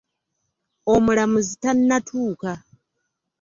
Omulamuzi tannatuuka.